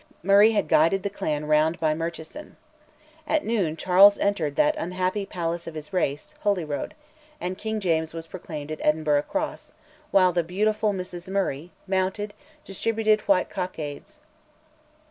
Murray had guided the clan round by Merchiston. At noon Charles entered "that unhappy palace of his race," Holyrood; and King James was proclaimed at Edinburgh Cross, while the beautiful Mrs Murray, mounted, distributed white cockades.